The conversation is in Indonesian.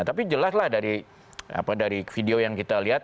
tapi jelas lah dari video yang kita lihat